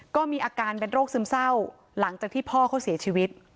ก็มีอาการเป็นโรคซึมเศร้าหลังจากที่พ่อเขาเสียชีวิต